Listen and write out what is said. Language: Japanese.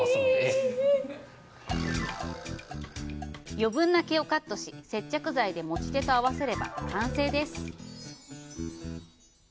余分な毛をカットし、接着剤で持ち手と合わせれば完成です。